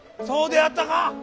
そうであったか。